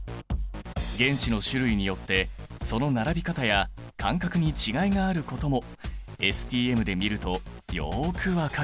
原子の種類によってその並び方や間隔に違いがあることもＳＴＭで見るとよく分かる。